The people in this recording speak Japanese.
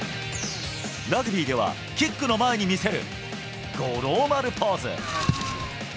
ラグビーではキックの前に見せる五郎丸ポーズ。